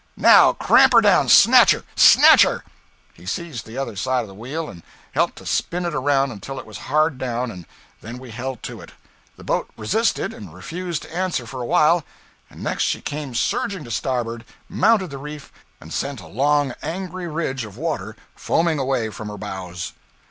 NOW cramp her down! Snatch her! snatch her!' He seized the other side of the wheel and helped to spin it around until it was hard down, and then we held it so. The boat resisted, and refused to answer for a while, and next she came surging to starboard, mounted the reef, and sent a long, angry ridge of water foaming away from her bows.